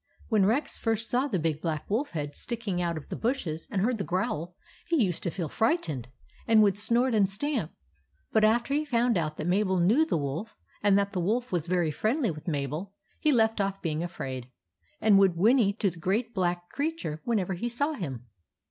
When Rex first saw the big black wolf head sticking out of the bushes, and heard the growl, he used to feel frightened, and would snort and stamp ; but after he found out that Mabel knew the Wolf, and that the Wolf was very friendly with Mabel, he left off being afraid, and would whinny to the great black crea ture whenever he saw him.